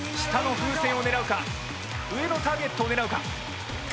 下の風船を狙うか上のターゲットを狙うか。